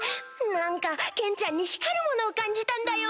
何かケンちゃんに光るものを感じたんだよ。